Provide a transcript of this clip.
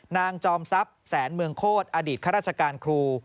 นางจอมซับแสนเมืองโคตรอดีตข้าราชการครู